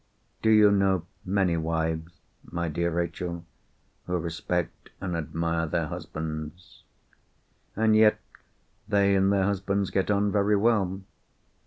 "Do you know many wives, my dear Rachel, who respect and admire their husbands? And yet they and their husbands get on very well.